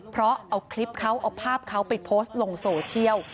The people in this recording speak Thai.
เพราะเอาคลิปเขาเอาภาพเขาไปโพสต์ลงโซเชียล